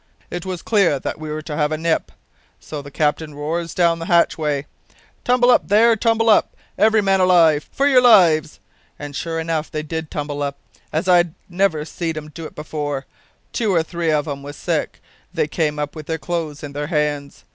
It was clear that we were to have a nip. So the captain roars down the hatchway, `Tumble up there! tumble up! every man alive! for your lives!' And sure enough they did tumble up, as I never seed 'em do it before two or three of 'em was sick; they came up with their clothes in their hands.